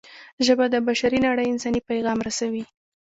ژبه د بشري نړۍ انساني پیغام رسوي